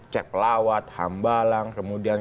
cek pelawat hambalang kemudian